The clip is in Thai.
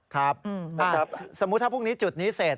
ครับสมมุติถ้าพรุ่งนี้จุดนี้เสร็จ